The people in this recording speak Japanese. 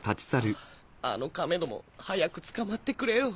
はぁあの亀ども早く捕まってくれよ。